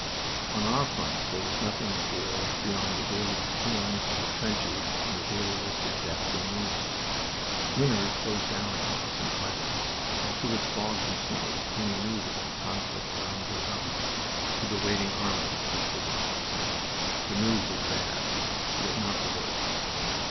On our front there was nothing of war beyond the daily routine of the trenches and the daily list of deaths and wounds. Winter had closed down upon us in Flanders, and through its fogs and snows came the news of that conflict round Verdun to the waiting army, which was ours. The news was bad, yet not the worst.